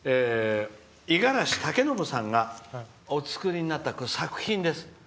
五十嵐威暢さんがお作りになった作品です。